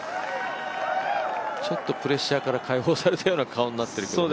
ちょっとプレッシャーから解放されたような顔になってるけどね。